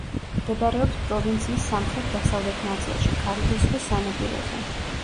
მდებარეობს პროვინციის სამხრეთ-დასავლეთ ნაწილში, კარიბის ზღვის სანაპიროზე.